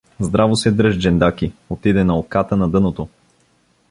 — Здраво се дръж, Джендаки, отиде на оката на дъното!